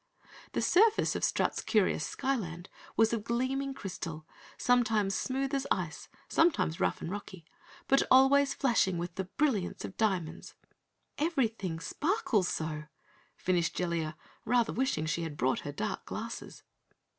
The surface of Strut's curious Skyland was of gleaming crystal, sometimes smooth as ice, sometimes rough and rocky, but always flashing with the brilliance of diamonds. "Everything sparkles so," finished Jellia, rather wishing she had brought her dark glasses.